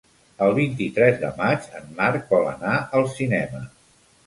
El vint-i-tres de maig en Marc vol anar al cinema.